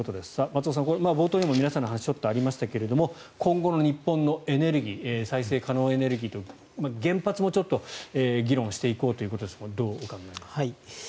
松尾さん、冒頭でも皆さんの話ありましたが今後の日本のエネルギー再生可能エネルギー原発も議論していこうということですがどうお考えですか。